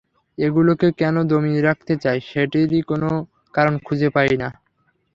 এগুলোকে কেন দমিয়ে রাখতে চায়, সেটিরই কোনো কারণ খুঁজে পাই না।